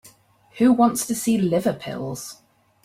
Who wants to see liver pills?